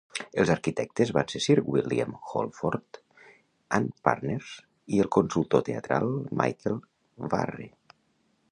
Els arquitectes van ser Sir William Holford and Partners i el consultor teatral Michael Warre.